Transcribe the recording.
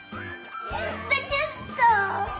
ちょっとちょっと！